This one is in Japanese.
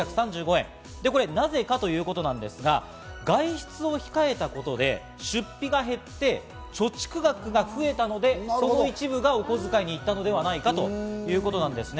なぜかということですが外出を控えたことで出費が減って貯蓄額が増えたので、その一部がおこづかいに行ったのではないかということです。